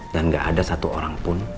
dan gak ada satu orang pun